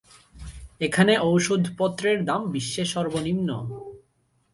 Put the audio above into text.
এখানে ঔষুধ-পত্রের দাম বিশ্বে সর্বনিম্ন।